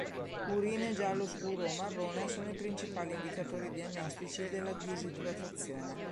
Urine giallo scuro o marrone sono i principali indicatori diagnostici della disidratazione.